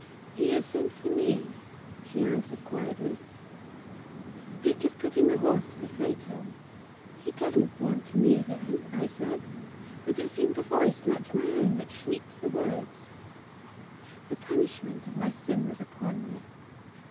"He has sent for me," she answered quietly. "Dick is putting the horse to the phaeton." "He doesn't want me, then!" I said; but it seemed a voice not my own that shrieked the words. The punishment of my sin was upon me.